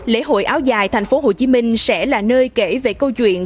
lễ hội áo dài tp hcm sẽ là nơi kể về câu chuyện